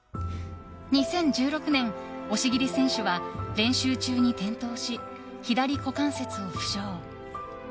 ２０１６年、押切選手は練習中に転倒し左股関節を負傷。